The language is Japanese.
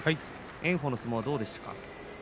炎鵬の相撲はどうですか？